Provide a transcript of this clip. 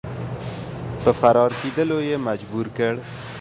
په فرار کېدلو یې مجبور کړ.